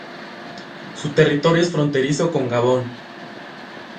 Su territorio es fronterizo con Gabón.